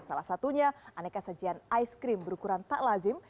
salah satunya aneka sajian aiskrim berukuran tak lazim